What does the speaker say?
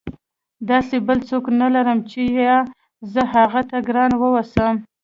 داسې بل څوک نه لرم چې یا زه هغه ته ګرانه واوسم.